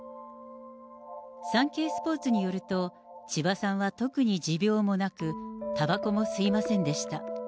サンケイスポーツによると、千葉さんは特に持病もなく、たばこも吸いませんでした。